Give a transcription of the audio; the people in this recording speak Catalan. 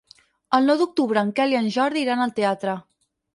El nou d'octubre en Quel i en Jordi iran al teatre.